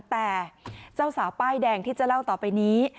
แต่เจ้าสาวป้ายแดงที่จะเล่าต่อไปนี้